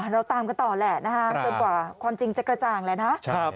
เราตามกันต่อแหละนะคะจนกว่าความจริงจะกระจ่างแล้วนะ